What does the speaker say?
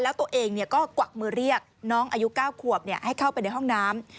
แล้วตัวเองก็กวักมือเรียกน้องอายุ๙ขวบให้เข้าไปในห้องน้ำ